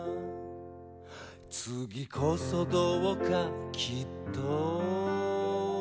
「次こそどうかきっと」